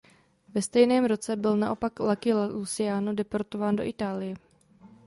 Ve stejném roce byl naopak Lucky Luciano deportován do Itálie.